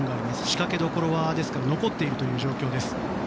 仕掛けどころは残っている状況です。